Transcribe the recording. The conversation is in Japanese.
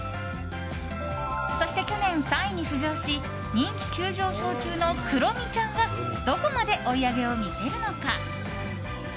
そして去年３位に浮上し人気急上昇中のクロミちゃんがどこまで追い上げを見せるのか。